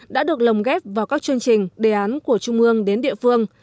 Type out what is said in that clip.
đã được lồng ghép vào các chương trình đề án của trung ương đến địa phương